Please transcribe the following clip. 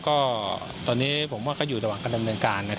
ก็ตอนนี้ผมว่าเขาอยู่ระหว่างการรับการ